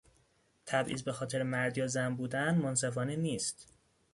تبعیض به خاطر مرد یا زن بودن منصفانه نیست.